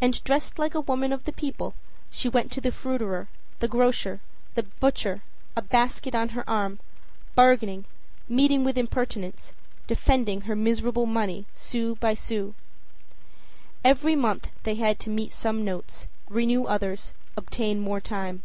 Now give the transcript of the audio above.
And dressed like a woman of the people, she went to the fruiterer, the grocer, the butcher, a basket on her arm, bargaining, meeting with impertinence, defending her miserable money, sou by sou. Every month they had to meet some notes, renew others, obtain more time.